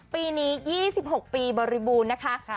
ปีนี้๒๖ปีบริบูรณ์นะคะ